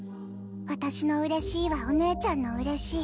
私のうれしいはお姉ちゃんのうれしい。